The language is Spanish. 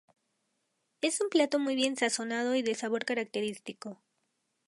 Es un plato muy bien sazonado y de sabor característico.